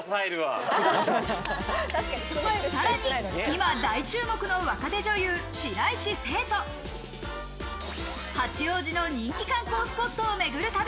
さらに今大注目の若手女優・白石聖と八王子の人気観光スポットを巡る旅。